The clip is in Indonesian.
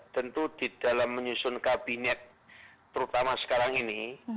tentu di dalam menyusun kabinet terutama sekarang ini